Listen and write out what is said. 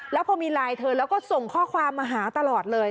แล้วพอมีไลน์เธอแล้วก็ส่งข้อความมาหาตลอดเลย